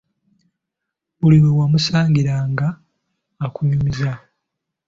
Buli we wamusangiranga nga akunyumiza.